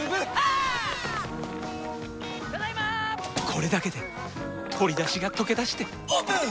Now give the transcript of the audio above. これだけで鶏だしがとけだしてオープン！